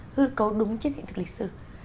hư cấu đúng trên hiện thực lịch sử